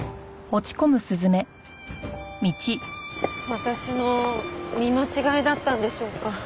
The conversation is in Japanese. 私の見間違いだったんでしょうか。